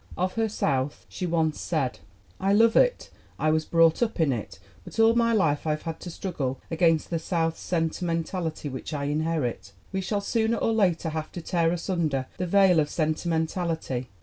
Of her South she once said : "I love it; I was brought up in it, but all my life I've had to struggle against the South's sentimentality, which I inherit. We shall sooner or later have to tear asunder that veil of sentimentality.